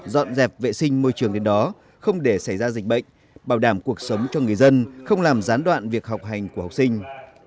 dọn dẹp vệ sinh môi trường đến đó không để xảy ra dịch bệnh bảo đảm cuộc sống cho người dân không làm gián đoạn việc học hành của học sinh